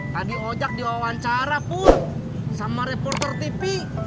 tadi ojak di wawancara pur sama reporter tv